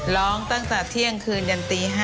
ร้องตั้งแต่เที่ยงคืนจนตี๕ค่ะ